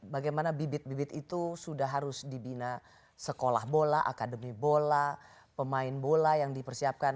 bagaimana bibit bibit itu sudah harus dibina sekolah bola akademi bola pemain bola yang dipersiapkan